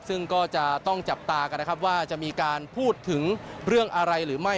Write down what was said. ซึ่งก็จะต้องจับตากันนะครับว่าจะมีการพูดถึงเรื่องอะไรหรือไม่